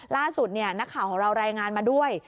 ล่าสุดนักข่าวของเรารายงานมาด้วย